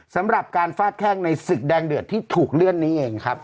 สำหรับการฟาดแข้งในศึกแดงเดือดที่ถูกเลื่อนนี้เองครับ